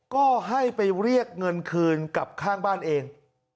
ก็ให้ไปเรียกเงินคืนกลับข้างบ้านเอง